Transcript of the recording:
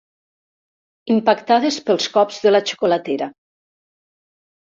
Impactades pels cops de la xocolatera.